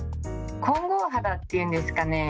混合肌っていうんですかね